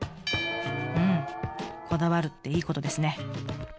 うんこだわるっていいことですね。